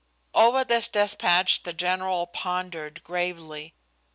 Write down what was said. Over this despatch the general pondered gravely.